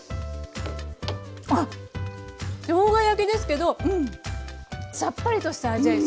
あっしょうが焼きですけどさっぱりとした味わい。